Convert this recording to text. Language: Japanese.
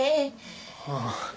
ああ。